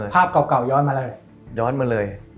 ภาพเก่าย้อนมาเลย